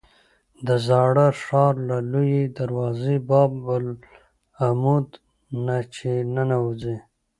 د زاړه ښار له لویې دروازې باب العمود نه چې ننوځې.